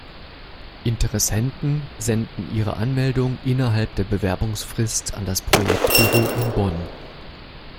Interessenten senden ihre Anmeldung innerhalb der Bewerbungsfrist an das Projektbüro in Bonn.